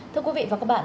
thưa quý vị và các bạn